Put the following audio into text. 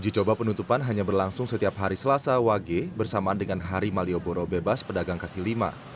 uji coba penutupan hanya berlangsung setiap hari selasa wage bersama dengan hari malioboro bebas pedagang kaki lima